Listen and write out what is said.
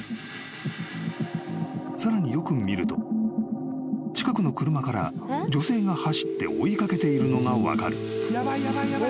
［さらによく見ると近くの車から女性が走って追い掛けているのが分かる］